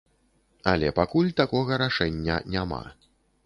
Але пакуль такога рашэння няма.